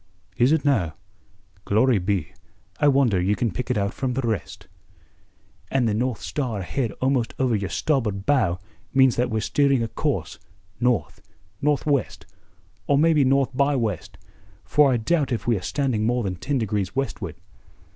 "Is it now? Glory be, I wonder ye can pick it out from the rest." "And the North Star ahead almost over your starboard bow means that we're steering a course, north, northwest, or maybe north by west, for I doubt if we are standing more than ten degrees westward."